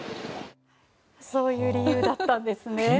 そういう理由だったんですね。